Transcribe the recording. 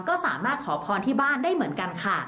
ก็สามารถขอพรที่บ้านได้เหมือนกันค่ะ